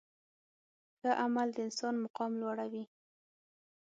ښه عمل د انسان مقام لوړوي.